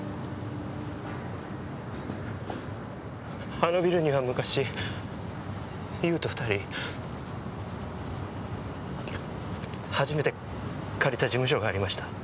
あのビルには昔優と２人初めて借りた事務所がありました。